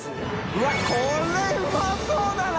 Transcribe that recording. うわっこれうまそうだな！